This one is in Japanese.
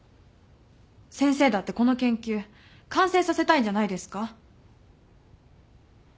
先生だってこの研究完成させたいんじゃないですか？